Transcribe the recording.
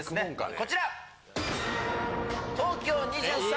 こちら。